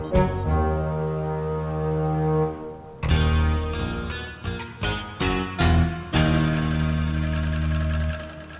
kamu harus menangis